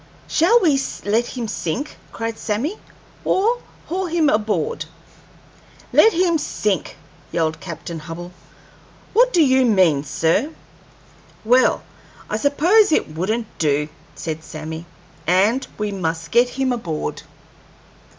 "Shall we let him sink," cried Sammy, "or haul him aboard?" "Let the man sink!" yelled Captain Hubbell. "What do you mean, sir?" "Well, I suppose it wouldn't do," said Sammy, "and we must get him aboard."